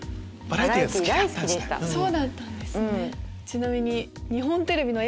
ちなみに。